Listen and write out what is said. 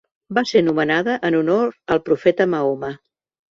Va ser nomenada en honor al profeta Mahoma.